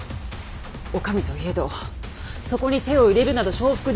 お上といえどそこに手を入れるなど承服できかねる。